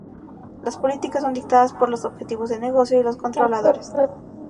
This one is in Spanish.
Las políticas son dictadas por los objetivos de negocio y los controladores.